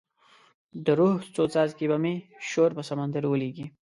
د روح څو څاڅکي به مې شور پر سمندر ولیکې